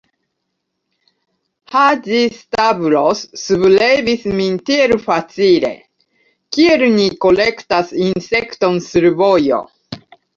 Haĝi-Stavros sublevis min tiel facile, kiel ni kolektas insekton sur vojo.